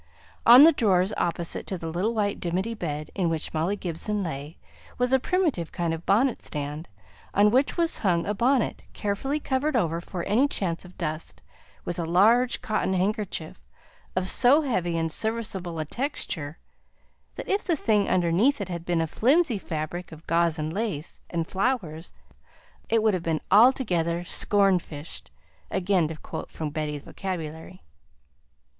On the drawers opposite to the little white dimity bed in which Molly Gibson lay, was a primitive kind of bonnet stand on which was hung a bonnet, carefully covered over from any chance of dust with a large cotton handkerchief, of so heavy and serviceable a texture that if the thing underneath it had been a flimsy fabric of gauze and lace and flowers, it would have been altogether "scomfished" (again to quote from Betty's vocabulary).